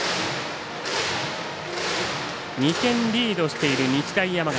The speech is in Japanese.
２点リードしている日大山形。